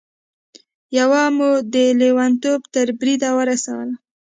يوه مو د لېونتوب تر بريده ورسوله.